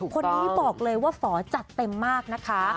คนนี้บอกเลยว่าฝอจัดเต็มมากนะคะ